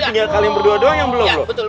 tinggal kalian berdua doang yang belum loh